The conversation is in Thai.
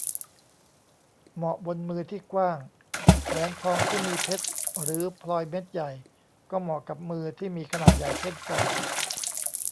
เหมาะบนมือที่กว้าง แหวนทองที่มีเพชรหรือพลอยเม็ดใหญ่ ก็เหมาะกับมือที่มีขนาดใหญ่เช่นกัน